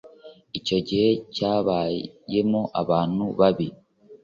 icyo gihe cyabayemo abantu babi